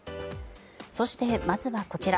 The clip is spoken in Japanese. そして、まずはこちら。